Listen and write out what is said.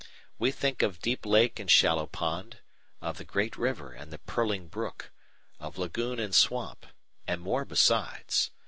We think of deep lake and shallow pond, of the great river and the purling brook, of lagoon and swamp, and more besides.